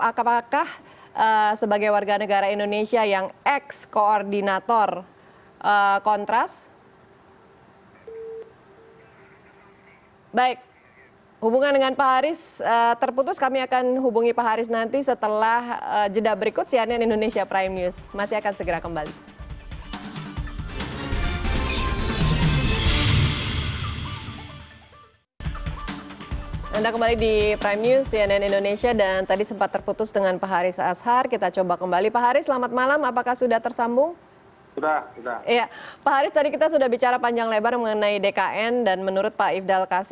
apakah sebagai warga negara indonesia yang ex koordinator kontras